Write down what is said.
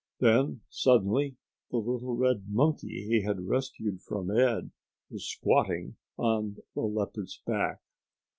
Then, suddenly, the little red monkey he had rescued from Ed was squatting on the leopard's back.